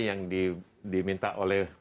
yang diminta oleh